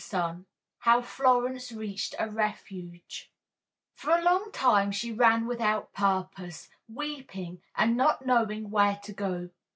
III HOW FLORENCE REACHED A REFUGE For a long time she ran without purpose, weeping, and not knowing where to go.